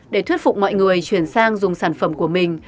để thuyết phục mọi người chuyển sang dùng sản phẩm của mình